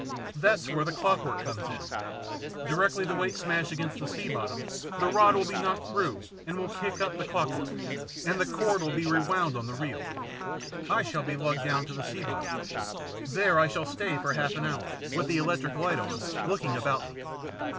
" That's where the clockwork comes in. Directly the weights smash against the sea bottom, the rod will be knocked through and will kick up the clock work, and the cord will be rewound on the reel. I shall be lugged down to the sea bottom. There I shall stay for half an hour, with the electric light on, looking about me.